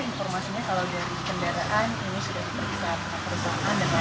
informasinya kalau dari kendaraan ini sudah bisa berusaha dan berjalan